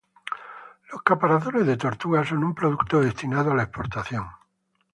Los caparazones de tortuga son un producto destinado a la exportación.